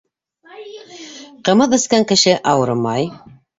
—Ҡымыҙ эскән кеше ауырымай.